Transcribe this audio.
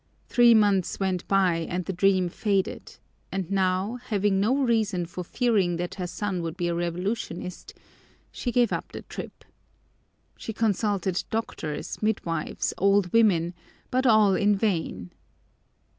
Three months went by and the dream faded, and now, having no reason for fearing that her son would be a revolutionist, she gave up the trip. She consulted doctors, midwives, old women, but all in vain.